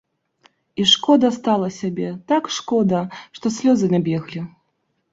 І шкода стала сябе, так шкода, што слёзы набеглі.